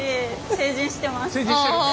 成人してます。